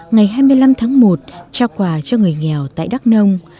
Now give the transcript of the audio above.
ngày hai mươi năm tháng một trao quà cho người nghèo tại đắk nông